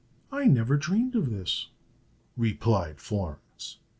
"I never dreamed of this," replied Florence.